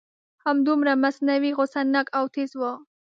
همدومره مصنوعي غصه ناک او تیز و.